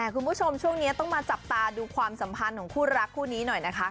คุณผู้ชมช่วงนี้ต้องมาจับตาดูความสัมพันธ์ของคู่รักคู่นี้หน่อยนะคะ